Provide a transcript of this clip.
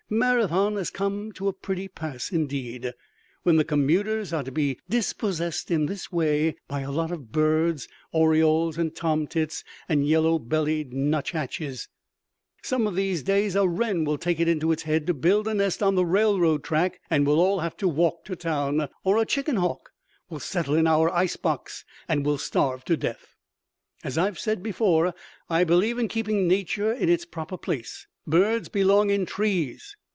Marathon has come to a pretty pass, indeed, when the commuters are to be dispossessed in this way by a lot of birds, orioles and tomtits and yellow bellied nuthatches. Some of these days a wren will take it into its head to build a nest on the railroad track and we'll all have to walk to town. Or a chicken hawk will settle in our icebox and we'll starve to death. As I have said before, I believe in keeping nature in its proper place. Birds belong in trees.